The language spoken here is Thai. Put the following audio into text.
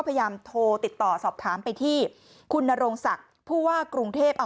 พยายามโทรติดต่อสอบถามไปที่คุณนโรงศักดิ์ผู้ว่ากรุงเทพ